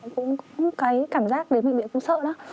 cái cảm giác đến viện viện cũng sợ lắm